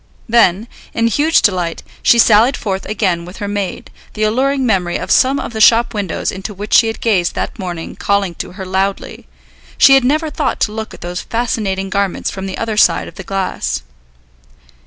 Then, in huge delight, she sallied forth again with her maid, the alluring memory of some of the shop windows into which she had gazed that morning calling to her loudly; she had never thought to look at those fascinating garments from the other side of the glass.